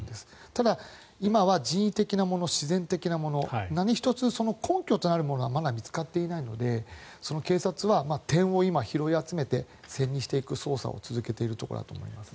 ただ、今は人為的なもの自然的なもの何一つ根拠となるものはまだ見つかっていないので警察は点を今、拾い集めて線にしていく捜査を続けているところだと思います。